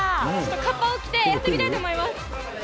かっぱを着てやってみたいと思います。